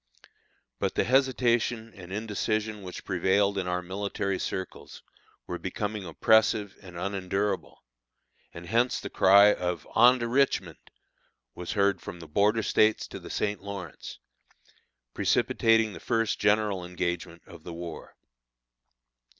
But the hesitation and indecision which prevailed in our military circles were becoming oppressive and unendurable, and hence the cry of "On to Richmond!" was heard from the Border States to the St. Lawrence, precipitating the first general engagement of the war.